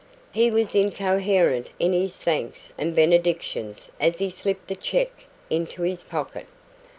He was incoherent in his thanks and benedictions as he slipped the cheque into his pocket.